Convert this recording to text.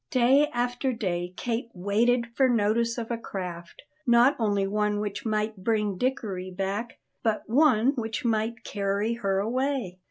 Day after day Kate waited for notice of a craft, not only one which might bring Dickory back but one which might carry her away.